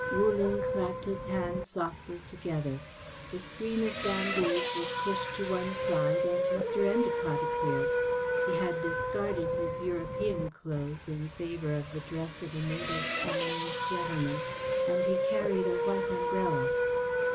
Wu Ling clapped his hands softly together. The screen of bamboos was pushed to one side and Mr. Endacott appeared. He had discarded his European clothes in favour of the dress of a native Chinese gentleman, and he carried a white umbrella.